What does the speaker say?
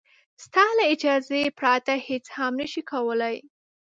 ستا له اجازې پرته هېڅ هم نه شي کولای.